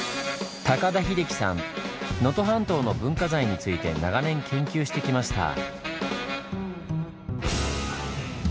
能登半島の文化財について長年研究してきました。